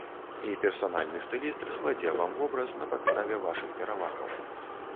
І персанальны стыліст складзе вам вобраз на падставе вашых перавагаў.